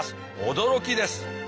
驚きです。